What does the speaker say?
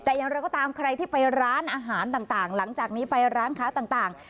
แต่อย่างไรก็ตามใครที่ไปร้านอาหารต่างหลังจากนี้ไปร้านค้าต่าง